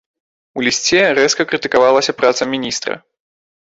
У лісце рэзка крытыкавалася праца міністра.